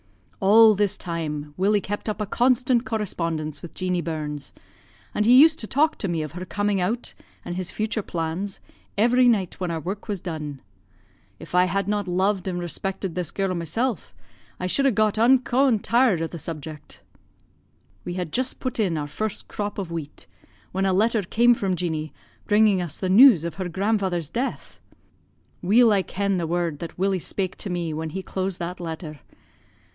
"All this time Willie kept up a constant correspondence with Jeanie Burns, and he used to talk to me of her coming out, and his future plans, every night when our work was done. If I had not loved and respected the girl mysel' I should have got unco' tired o' the subject. "We had just put in our first crop of wheat, when a letter came from Jeanie bringing us the news of her grandfather's death. Weel I ken the word that Willie spak' to me when he closed that letter.